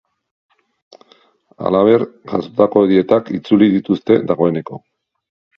Halaber, jasotako dietak itzuli dituzte dagoeneko.